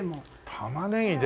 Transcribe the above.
タマネギで。